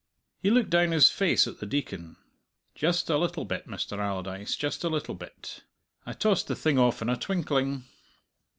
He looked down his face at the Deacon. "Just a little bit, Mr. Allardyce, just a little bit. I tossed the thing off in a twinkling."